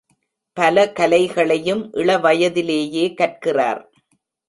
பல கலைகளையும் இளவயதிலேயே கற்கிறார்.